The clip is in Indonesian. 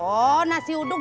oh nasi uduk dua puluh